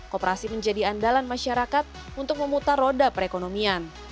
kooperasi menjadi andalan masyarakat untuk memutar roda perekonomian